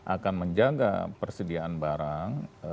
akan menjaga persediaan barang